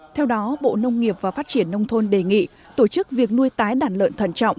theo đó bộ nông nghiệp và phát triển nông thôn đề nghị tổ chức việc nuôi tái đàn lợn thận trọng